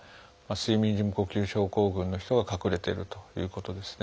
睡眠時無呼吸症候群も脳出血のリスクになるということですね。